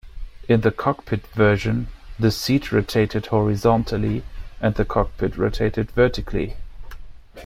In the cockpit version, the seat rotated horizontally, and the cockpit rotated vertically.